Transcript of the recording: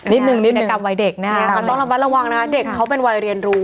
นิดนึงนิดในกรรมวัยเด็กนะคะต้องระมัดระวังนะคะเด็กเขาเป็นวัยเรียนรู้